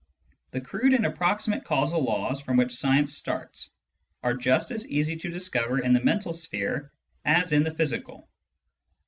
The crude and approximate causal laws from which science starts are just as easy to discover in the mental sphere as in the physical.